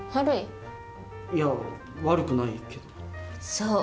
そう。